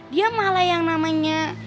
dia malah yang namanya